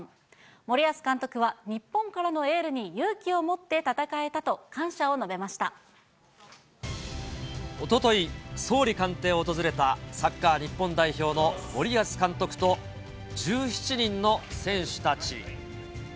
森保監督は、日本からのエールに勇気を持って戦えたと、感謝を述おととい、総理官邸を訪れたサッカー日本代表の森保監督と１７人の選手たち。